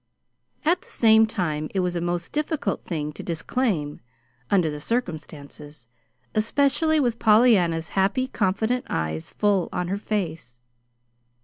At the same time it was a most difficult thing to disclaim under the circumstances, especially with Pollyanna's happy, confident eyes full on her face.